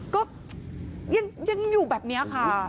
ก็ยังอยู่แบบนี้ค่ะ